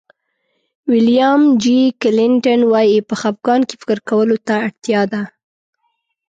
ویلیام جي کلنټن وایي په خفګان کې فکر کولو ته اړتیا ده.